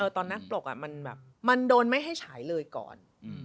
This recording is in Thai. ตอนนักปลกมันแบบมันโดนไม่ให้ฉายเลยก่อน